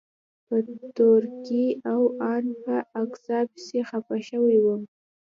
په تورکي او ان په اکا پسې خپه سوى وم.